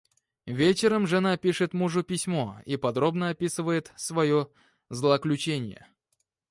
Вечером жена пишет мужу письмо и подробно описывает своё злоключение.